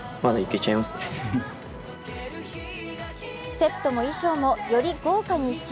セットも衣装もより豪華に一新。